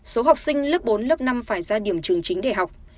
số học sinh lớp bốn lớp năm phải ra điểm trường chính để học